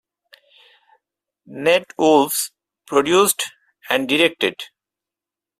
Nat Wolff produced and directed.